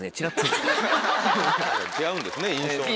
違うんですね印象。